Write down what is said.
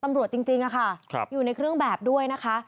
ตำรวจจริงอะค่ะอยู่ในเครื่องแบบด้วยนะคะ